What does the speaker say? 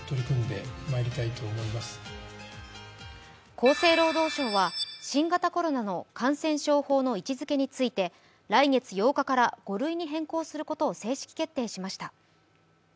厚生労働省は新型コロナの感染症法の位置づけについて、来月８日から５類に変更することを正式決定しました。